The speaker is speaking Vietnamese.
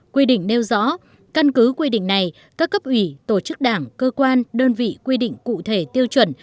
quy định nêu rõ căn cứ quy định này các cấp ủy tổ chức đảng cơ quan đơn vị quy định cụ thể tiêu chuẩn